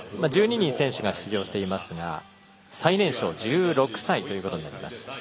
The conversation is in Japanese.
１２人、選手が出場していますが最年少１６歳ということになります。